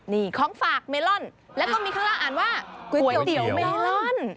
นี่ของฝากเมลอนแล้วก็มีข้างล่างอ่านว่าก๋วยเตี๋ยวเมลอน